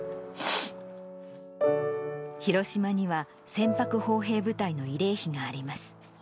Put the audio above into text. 広島には船舶砲兵部隊の慰霊碑があります。